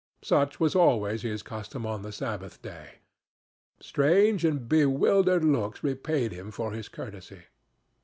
Such was always his custom on the Sabbath day. Strange and bewildered looks repaid him for his courtesy.